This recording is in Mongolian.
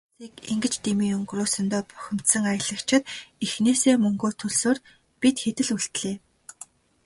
Өдрийн хагасыг ингэж дэмий өнгөрөөсөндөө бухимдсан аялагчид эхнээсээ мөнгөө төлсөөр, бид хэд л үлдлээ.